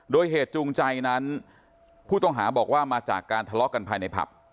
โดยเหตุจูงใจนั้นผู้ต้องหาบอกว่ามาจากการทะเลาะกันภายในผับ